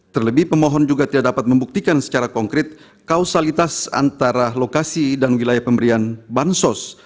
terlebih pemohon juga tidak dapat membuktikan secara konkret kausalitas antara lokasi dan wilayah pemberian bansos